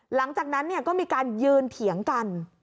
หลังจากนั้นก็มีการยืนเถียงกัน